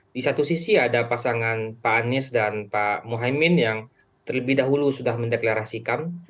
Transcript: di satu sisi ada pasangan pak anies dan pak mohaimin yang terlebih dahulu sudah mendeklarasikan